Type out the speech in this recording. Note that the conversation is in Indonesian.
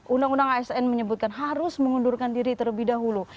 undang undang asn menyebutkan harus mengundurkan diri terlebih dahulu